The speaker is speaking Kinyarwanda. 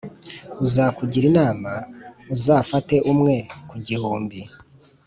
uzakugira inama, uzafate umwe ku gihumbi